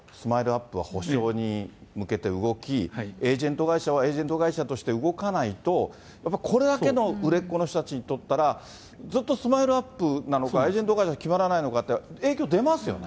ーＵＰ．は補償に向けて動き、エージェント会社はエージェント会社として動かないと、やっぱりこれだけの売れっ子の人たちにとったら、ずっとＳＭＩＬＥーＵＰ．なのか、エージェント会社決まらないのかって、影響出ますよね。